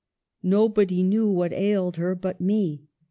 Nobody knew what ailed her but me.